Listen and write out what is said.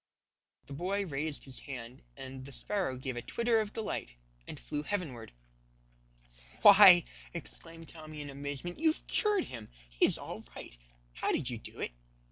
The boy raised his hand, and the sparrow gave a twitter of delight and flew heavenward. "Why," exclaimed Tommy in amazement, "you've cured him! He is all right. How did you do it?